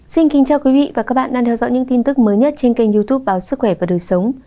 xin kính chào quý vị và các bạn đang theo dõi những tin tức mới nhất trên kênh youtube báo sức khỏe và đời sống